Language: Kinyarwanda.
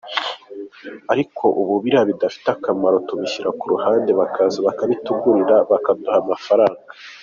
Ariko ubu biriya bitagifite akamaro tubishyira ku ruhande bakaza bakabitugurira bakaduha amafaranga.